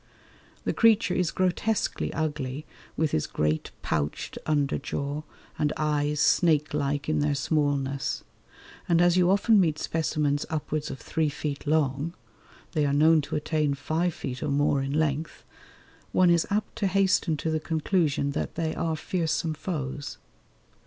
The creature is grotesquely ugly with his great pouched under jaw and eyes snake like in their smallness, and as you often meet specimens upwards of three feet long (they are known to attain five feet or more in length), one is apt to hasten to the conclusion that they are fearsome foes.